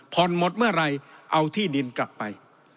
หมดเมื่อไหร่เอาที่ดินกลับไป